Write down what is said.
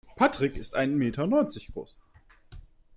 Patrick ist ein Meter neunzig groß.